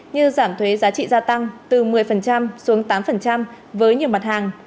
như giảm thuế giá trị gia tăng từ một mươi xuống tám với nhiều mặt hàng